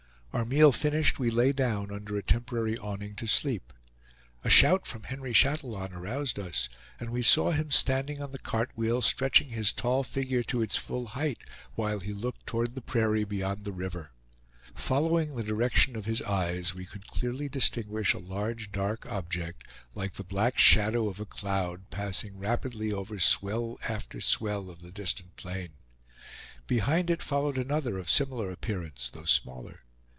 Our meal finished, we lay down under a temporary awning to sleep. A shout from Henry Chatillon aroused us, and we saw him standing on the cartwheel stretching his tall figure to its full height while he looked toward the prairie beyond the river. Following the direction of his eyes we could clearly distinguish a large dark object, like the black shadow of a cloud, passing rapidly over swell after swell of the distant plain; behind it followed another of similar appearance though smaller.